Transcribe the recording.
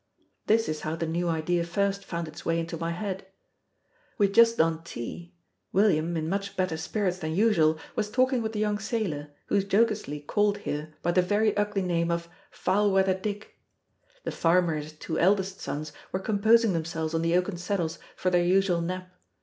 This is how the new idea first found its way into my head: We had just done tea. William, in much better spirits than usual, was talking with the young sailor, who is jocosely called here by the very ugly name of "Foul weather Dick." The farmer and his two eldest sons were composing themselves on the oaken settles for their usual nap.